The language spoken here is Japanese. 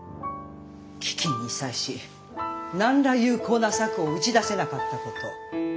飢きんに際し何ら有効な策を打ち出せなかったこと。